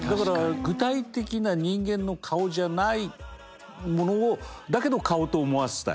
具体的な人間の顔じゃないものをだけど顔と思わせたい。